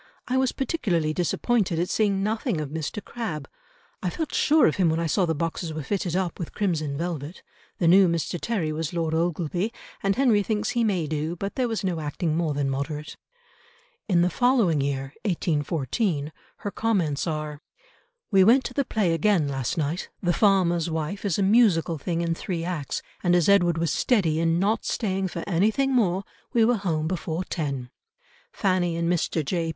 I was particularly disappointed at seeing nothing of Mr. Crabbe. I felt sure of him when I saw the boxes were fitted up with crimson velvet. The new Mr. Terry was Lord Ogleby, and Henry thinks he may do, but there was no acting more than moderate." In the following year, 1814, her comments are, "We went to the play again last night. The Farmer's Wife is a musical thing in three acts, and, as Edward was steady in not staying for anything more, we were home before ten. Fanny and Mr. J.